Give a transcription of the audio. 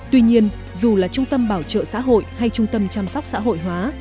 tuy nhiên dù là trung tâm bảo trợ xã hội hay trung tâm chăm sóc xã hội hóa